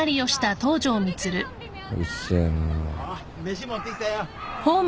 飯持ってきたよ。